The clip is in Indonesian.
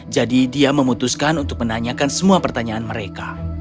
jadi dia memutuskan untuk menanyakan semua pertanyaan mereka